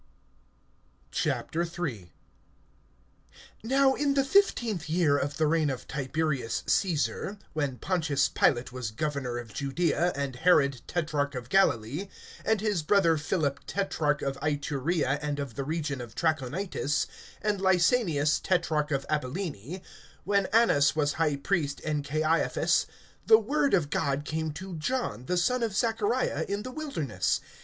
III. NOW in the fifteenth year of the reign of Tiberius Caesar, when Pontius Pilate was governor of Judaea, and Herod tetrarch of Galilee, and his brother Philip tetrarch, of Iturea and of the region of Trachonitis, and Lysanias tetrarch of Abilene, (2)when Annas was high priest and Caiaphas, the word of God came to John, the son of Zachariah, in the wilderness.